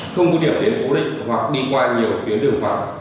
không có điểm tiến cố định hoặc đi qua nhiều tuyến đường vòng